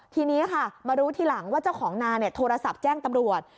ทีนี้ค่ะมารู้ทีหลังว่าเจ้าของนาโทรศัพท์แจ้งตำรวจ